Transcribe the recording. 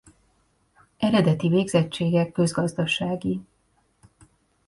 Eredeti végzettsége közgazdasági.